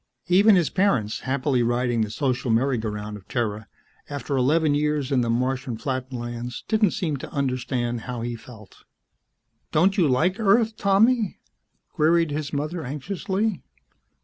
Even his parents, happily riding the social merry go round of Terra, after eleven years in the Martian flatlands, didn't seem to understand how he felt. "Don't you like Earth, Tommy?" queried his mother anxiously.